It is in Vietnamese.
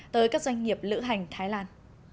tới các doanh nghiệp lựa hành thái lan